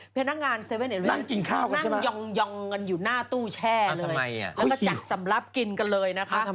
พนักงาน๗๑๑นั่งกินข้าวกันยองกันอยู่หน้าตู้แช่เลยแล้วก็จัดสำรับกินกันเลยนะคะ